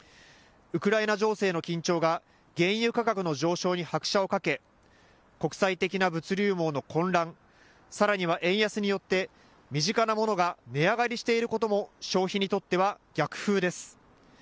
ウクライナ情勢の緊張が原油価格の上昇に拍車をかけ国際的な物流網の混乱、さらには円安によって身近なものが値上がりしていることも消費にとっては逆風です。